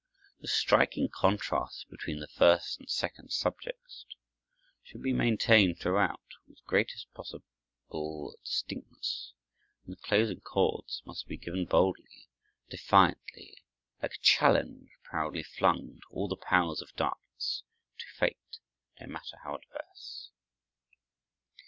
The striking contrast between the first and second subjects should be maintained throughout, with greatest possible distinctness, and the closing chords must be given boldly, defiantly, like a challenge proudly flung to all the powers of darkness, to fate, no matter how adverse.